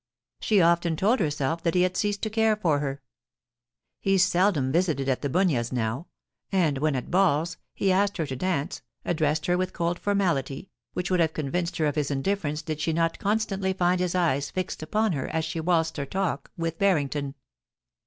She often told herself that he had ceased to care for her. He seldom visited at The Bunyas now, and when, at balls, he asked her to dance, addressed her with cold formality, which would have convinced her of his indifference did she not constantly find his eyes fixed upon her as she waltzed or talked with Barrington.